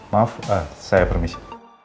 maaf saya permisi